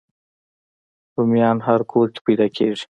رومیان هر کور کې پیدا کېږي